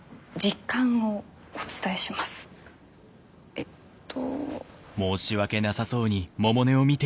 えっと。